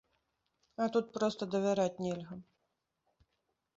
А тут проста давяраць нельга.